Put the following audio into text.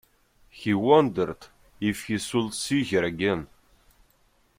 He wondered if he should see her again.